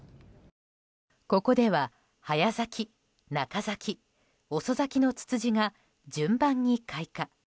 ここでは早咲き、中咲き、遅咲きのツツジが順番に開花。